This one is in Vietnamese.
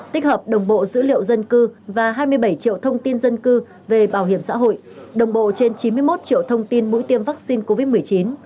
tích hợp đồng bộ dữ liệu dân cư và hai mươi bảy triệu thông tin dân cư về bảo hiểm xã hội đồng bộ trên chín mươi một triệu thông tin mũi tiêm vaccine covid một mươi chín